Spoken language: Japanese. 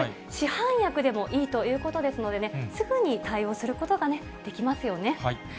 市販薬でもいいということですのでね、すぐに対応することができますよね。